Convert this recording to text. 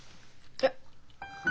えっ？